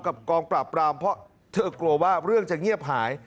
กองปราบปรามเพราะเธอกลัวว่าเรื่องจะเงียบหาย